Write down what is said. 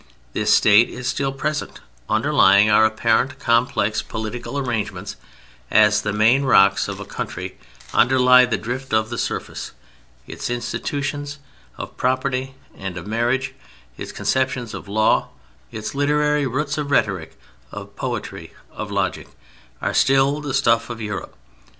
This State is still present, underlying our apparently complex political arrangements, as the main rocks of a country underlie the drift of the surface. Its institutions of property and of marriage; its conceptions of law; its literary roots of Rhetoric, of Poetry, of Logic, are still the stuff of Europe.